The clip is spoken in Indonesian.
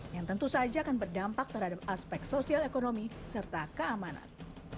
yang tentu saja akan berdampak terhadap aspek sosial ekonomi serta keamanan